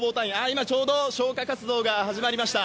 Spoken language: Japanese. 今ちょうど消火活動が始まりました。